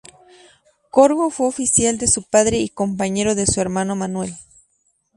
Corgo fue oficial de su padre y compañero de su hermano Manuel.